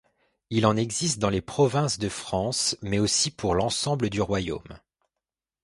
Il en existe dans les provinces de France, mais aussi pour l'ensemble du royaume.